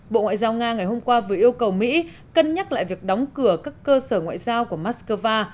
bộ ngoại giao nga ngày hôm qua vừa yêu cầu mỹ cân nhắc lại việc đóng cửa các cơ sở ngoại giao của moscow